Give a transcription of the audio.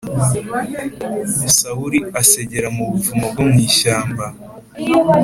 Sawuli asegera mu buvumo bwo mw’ ishyamba